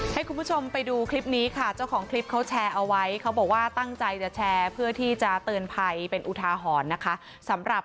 ให้คุณผู้ชมไปดูคลิปนี้ค่ะเจ้าของคลิปเขาแชร์เอาไว้เขาบอกว่าตั้งใจจะแชร์เพื่อที่จะเตือนภัยเป็นอุทาหรณ์นะคะสำหรับ